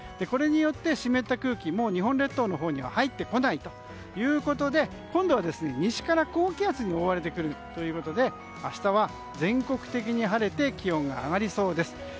これによって、湿った空気がもう、日本列島のほうには入ってこないということで今度は西から高気圧に覆われてくるということで明日は全国的に晴れて気温が上がりそうです。